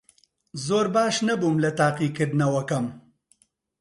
زۆر باش نەبووم لە تاقیکردنەوەکەم.